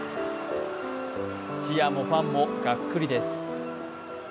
チアもファンもがっくりです。